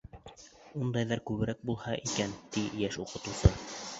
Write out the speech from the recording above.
Ундайҙар күберәк булһа икән, — ти йәш уҡытыусы.